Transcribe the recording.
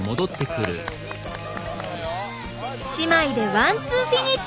姉妹でワンツーフィニッシュ！